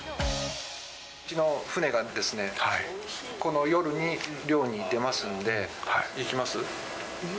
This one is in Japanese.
うちの船がですね、この夜に漁に出ますんで、行きます？